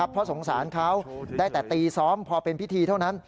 เพราะสงสารเขาได้แต่ตีซ้อมพอเป็นพิธีเท่านั้น